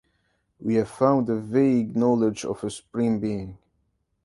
We have found a vague knowledge of a supreme being.